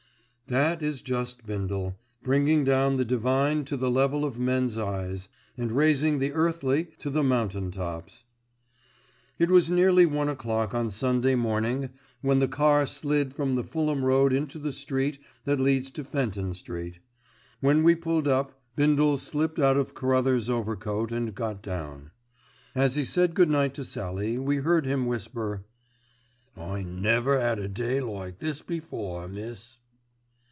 That is just Bindle, bringing down the divine to the level of men's eyes: and raising the earthly to the mountain tops. It was nearly one o'clock on Sunday morning when the car slid from the Fulham road into the street that leads to Fenton Street. When we pulled up, Bindle slipped out of Carruthers' overcoat and got down. As he said good night to Sallie we heard him whisper: "I never 'ad a day like this before, miss."